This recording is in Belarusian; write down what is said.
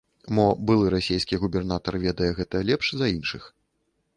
Мо, былы расійскі губернатар ведае гэта лепш за іншых?